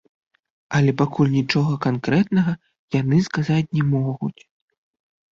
Але пакуль нічога канкрэтнага яны сказаць не могуць.